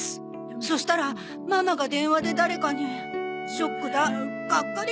そしたらママが電話で誰かに「ショックだ」「がっかりだ」って。